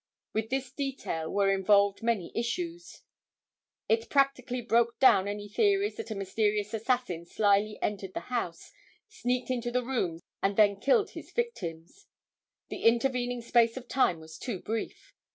With this detail were involved many issues. It practically broke down any theories that a mysterious assassin slyly entered the house, sneaked into the rooms and then killed his victims. The intervening space of time was too brief.